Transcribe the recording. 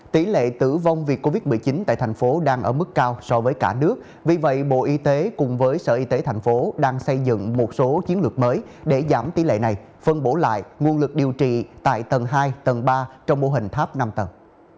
tỷ lệ tử vong vì covid một mươi chín tại thành phố đang ở mức cao so với cả nước vì vậy bộ y tế cùng với sở y tế thành phố đang xây dựng một số chiến lược mới để giảm tỷ lệ này phân bổ lại nguồn lực điều trị tại tầng hai tầng ba trong mô hình tháp năm tầng